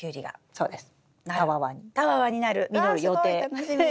そうですね。